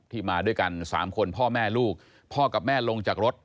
มาด้วยกัน๓คนพ่อแม่ลูกพ่อกับแม่ลงจากรถ